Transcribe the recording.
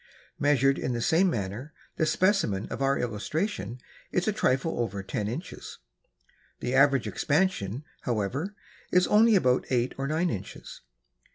Measured in the same manner, the specimen of our illustration is a trifle over ten inches. The average expansion, however, is only about eight or nine inches.